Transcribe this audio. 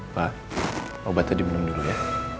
pak obat tadi minum dulu ya